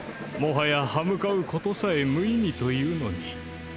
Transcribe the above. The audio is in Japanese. もはや歯向かうことさえ無意味というのに。